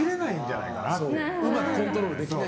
うまくコントロールできない。